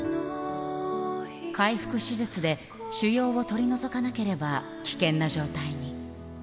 開腹手術で腫瘍を取り除かなければ危険な状態に。